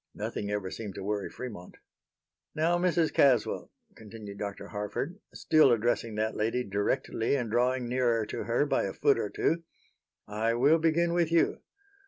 Nothing ever seemed to worry Fremont. "Now, Mrs. Caswell," continued Dr. Harford, still addressing that lady directly and drawing nearer to her by a foot or two, "I will begin with you.